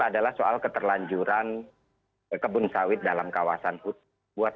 saya merasakan keterlanjuran perumahan kebun sawit di kawasan hutan